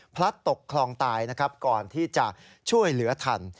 ตกคลองตายนะครับก่อนที่จะช่วยเหลือทัน